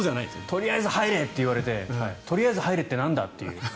とりあえず入れって言われてとりあえず入れってなんだという。